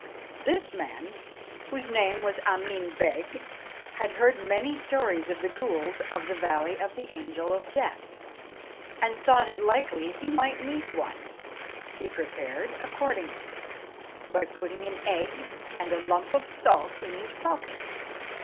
This man, whose name was Ameen Beg, had heard many stories of the ghools of the "Valley of the Angel of Death," and thought it likely he might meet one. He prepared accordingly, by putting an egg and a lump of salt in his pocket.